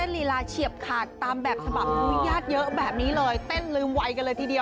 ด้วยความมั่งอยากจะเป็นด่างราย